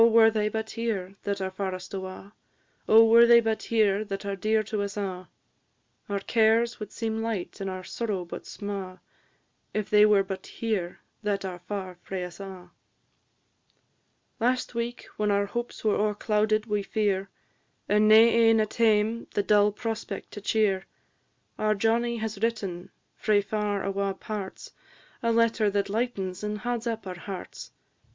Oh, were they but here that are farest awa'! Oh, were they but here that are dear to us a'! Our cares would seem light and our sorrow but sma', If they were but here that are far frae us a'! Last week, when our hopes were o'erclouded wi' fear, And nae ane at hame the dull prospect to cheer; Our Johnnie has written, frae far awa' parts, A letter that lightens and hauds up our hearts.